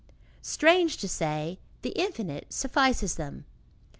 Strange to say, the infinite suffices them.